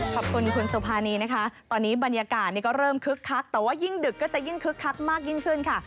ขอบคุณคุณสุภานีนะคะตอนนี้บรรยากาศก็เริ่มคึกคักแต่ว่ายิ่งดึกก็จะยิ่งคึกคักมากยิ่งขึ้นค่ะ